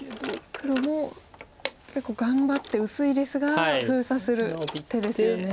黒も結構頑張って薄いですが封鎖する手ですよね。